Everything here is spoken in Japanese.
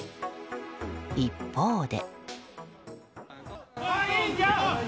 一方で。